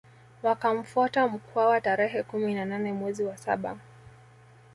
Wakamfuata Mkwawa tarehe kumi na nane mwezi wa saba